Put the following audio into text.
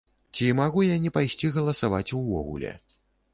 Ці магу я не пайсці галасаваць увогуле?